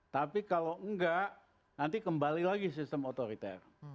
tapi kalau tidak nanti kembali lagi ke sistem otoriter